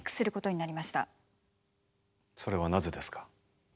それはなぜですか？